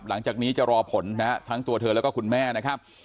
หลังจากนี้จะรอผลนะฮะทั้งตัวเธอแล้วก็คุณแม่นะครับ